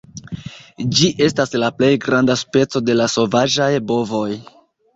Ĝi estas la plej granda speco de la sovaĝaj bovoj.